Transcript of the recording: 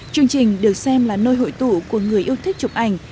chương trình được xem là nơi hội tụ của người yêu thích chụp ảnh